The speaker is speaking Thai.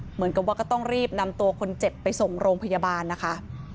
เหมือนกับว่าก็ต้องรีบนำตัวคนเจ็บไปส่งโรงพยาบาลนะคะ